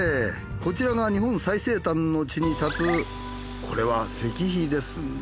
こちらが日本最西端の地に立つこれは石碑ですね。